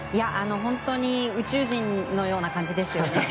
本当に宇宙人のような感じですよね。